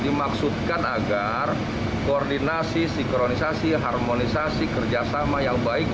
dimaksudkan agar koordinasi sinkronisasi harmonisasi kerjasama yang baik